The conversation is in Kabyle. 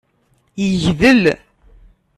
Yegdel.